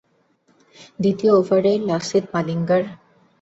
দ্বিতীয় ওভারেই লাসিথ মালিঙ্গার বলে এলবিডব্লু হয়ে ফিরে যান শেরজিল খান।